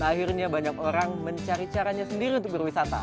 akhirnya banyak orang mencari caranya sendiri untuk berwisata